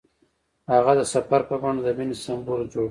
هغه د سفر په بڼه د مینې سمبول جوړ کړ.